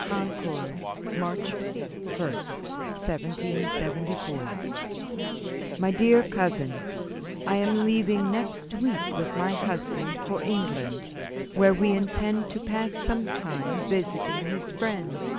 "Concord, March 1, 1774. "MY DEAR COUSIN: I am leaving next week with my husband for England, where we intend to pass some time visiting his friends.